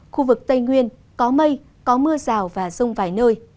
khu vực tây nguyên có mây có mưa rào và rông vài nơi